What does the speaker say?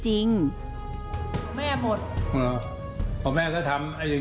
รถปลาอะไรก็มันมีเปล่า